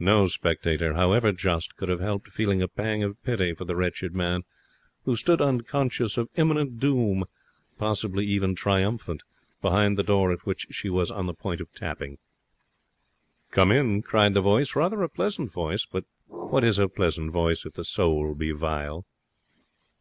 No spectator, however just, could have helped feeling a pang of pity for the wretched man who stood unconscious of imminent doom, possibly even triumphant, behind the door at which she was on the point of tapping. 'Come in!' cried the voice, rather a pleasant voice; but what is a pleasant voice if the soul be vile?